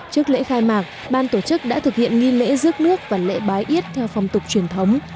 trước lễ khai mạc ban tổ chức đã thực hiện nghi lễ rước nước và lễ bái yết theo phong tục truyền thống